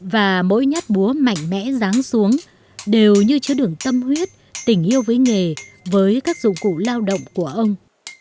và mỗi nhát búa mạnh mẽ dáng xuống đều như chứa đường tâm huyết tình yêu với nghề với các dụng cụ lao động của ông